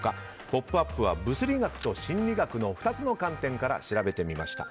「ポップＵＰ！」は物理学と心理学の２つの観点から調べてみました。